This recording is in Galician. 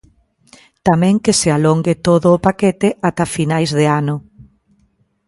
Tamén que se alongue todo o paquete ata finais de ano.